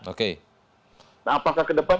oke nah apakah ke depan